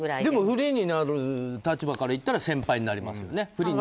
でもフリーになる立場から言ったら先輩になりますね。